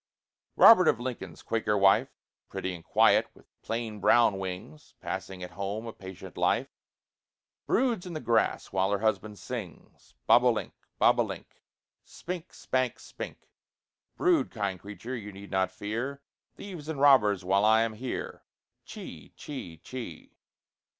Robert of Lincoln's Quaker wife, Pretty and quiet, with plain brown wings, Passing at home a patient life, Broods in the grass while her husband sings: Bob o' link, bob o' link, Spink, spank, spink: Brood, kind creature; you need not fear Thieves and robbers while I am here. Chee, chee, chee.